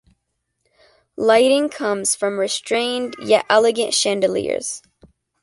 Lighting comes from restrained yet elegant chandeliers.